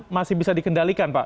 masih bisa dikendalikan pak